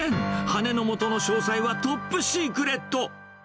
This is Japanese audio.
羽根のもとの詳細はトップシークレット。